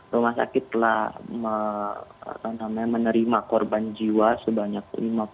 rumah sakit telah menerima korban jiwa sebanyak lima puluh